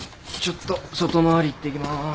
ちょっと外回り行ってきます。